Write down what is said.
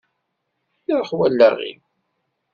Iṛuḥ wallaɣ-iw.